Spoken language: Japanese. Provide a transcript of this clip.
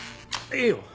いいよ。